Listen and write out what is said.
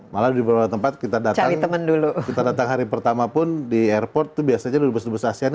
malah di beberapa tempat kita datang hari pertama pun di airport itu biasanya dubes dubes asean